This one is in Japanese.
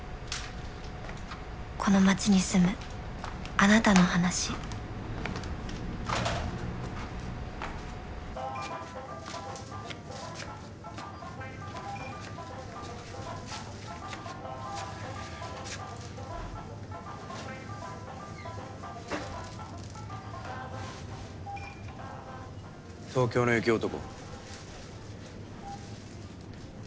この町に住むあなたの話東京の雪男。